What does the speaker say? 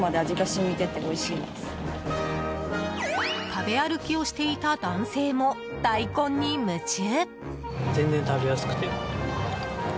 食べ歩きをしていた男性も大根に夢中！